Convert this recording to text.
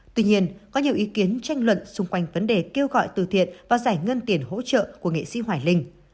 tuy nhiên có nhiều ý kiến tranh luận xung quanh vấn đề kêu gọi từ thiện và giải ngân tiền hỗ trợ của nghệ sĩ hoài linh